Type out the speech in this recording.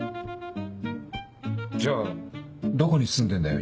じゃあどこに住んでんだよ？